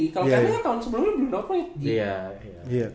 kalo kelvin kan tahun sebelumnya belum doplate